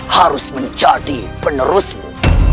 harus menjadi penerusmu